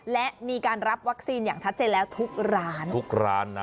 และมีการรับวัคซีนอย่างชัดเจนแล้วทุกร้านทุกร้านนะ